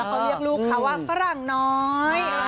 เขาเรียกลูกเขาว่าฝรั่งน้อย